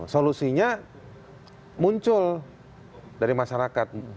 solusinya muncul dari masyarakat